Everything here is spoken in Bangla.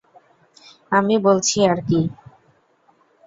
আমি বলছি আর কি।